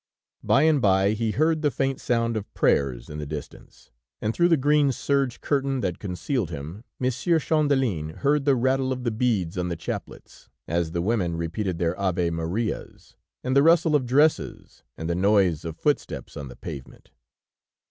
By and by, he heard the faint sound of prayers in the distance and through the green serge curtain that concealed him Monsieur Champdelin heard the rattle of the beads on the chaplets, as the women repeated their Ave Maria's, and the rustle of dresses and the noise of footsteps on the pavement.